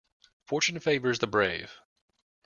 Fortune favours the brave.